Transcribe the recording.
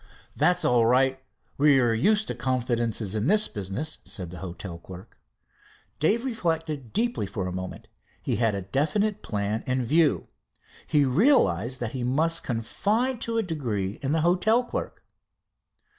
"That's all right we are used to confidences in this business," said the hotel clerk. Dave reflected deeply for a moment. He had a definite plan in view. He realized that he must confide to a degree in the hotel clerk.